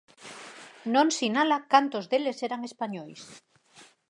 Non sinala cantos deles eran españois.